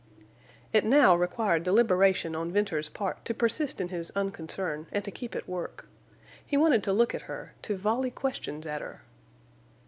It now required deliberation on Venters's part to persist in his unconcern and to keep at work. He wanted to look at her, to volley questions at her.